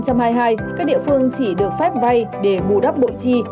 các địa phương chỉ được phép vay để bù đắp bộ chi